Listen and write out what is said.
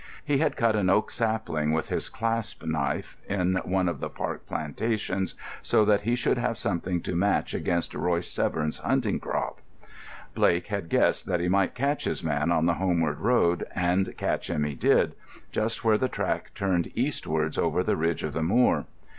He had cut an oak sapling with his clasp knife in one of the park plantations so that he should have something to match against Royce Severn's hunting crop. Blake had guessed that he might catch his man on the homeward road, and catch him he did, just where the track turned eastwards over the ridge of the moor.